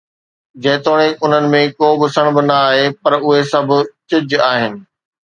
جيتوڻيڪ انهن ۾ ڪو به سڻڀ نه آهي، پر اهي سڀ چج آهن.